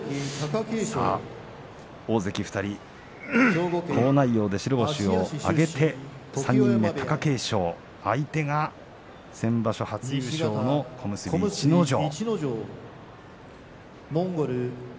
大関２人、好内容で白星を挙げて貴景勝の相手は先場所初優勝の逸ノ城。